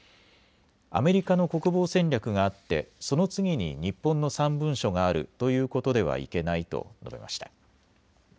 アメリカの国防戦略があってその次に日本の３文書があるということではいけないと述べました。